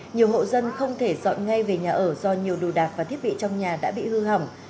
nhiều hộ dân không thể dọn ngay về nhà ở do nhiều đồ đạc và thiết bị trong nhà đã bị hư hỏng